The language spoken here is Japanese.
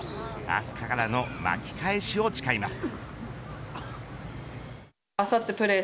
明日からの巻き返しを誓います。